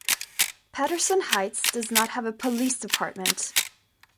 Patterson Heights does not have a police department.